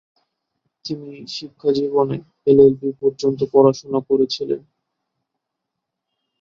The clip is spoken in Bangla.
তিনি শিক্ষাজীবনে এলএলবি পর্যন্ত পড়াশোনা করেছিলেন।